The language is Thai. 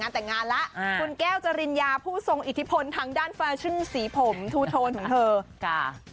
แต่งงานแล้วคุณแก้วจริญญาผู้ทรงอิทธิพลทางด้านแฟชั่นสีผมทูโทนของเธอค่ะ